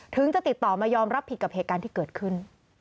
จะติดต่อมายอมรับผิดกับเหตุการณ์ที่เกิดขึ้น